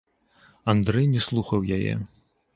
Андрэй не слухаў яе.